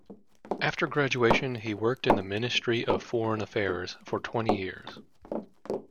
After graduation, he worked in the Ministry of Foreign Affairs for twenty years.